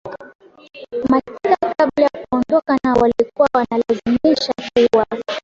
mateka kabla ya kuondoka nao walikuwa wanawalazimisha kuua